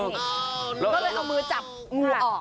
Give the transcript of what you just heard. ก็เลยเอามือจับงูออก